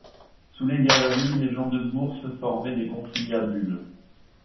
Sous les galeries, les gens de Bourse formaient des conciliabules.